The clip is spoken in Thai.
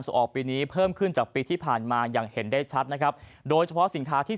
ออกปีนี้เพิ่มขึ้นจากปีที่ผ่านมาอย่างเห็นได้ชัดนะครับโดยเฉพาะสินค้าที่